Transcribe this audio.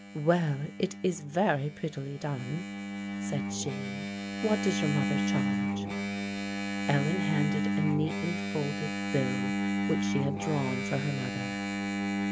"Well, it is very prettily done," said she. "What does your mother charge?" Ellen handed a neatly folded bill which she had drawn for her mother.